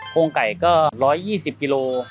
โครงไก่ก็๑๒๐กิโล